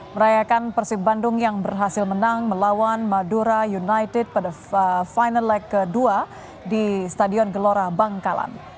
merayakan persib bandung yang berhasil menang melawan madura united pada final leg kedua di stadion gelora bangkalan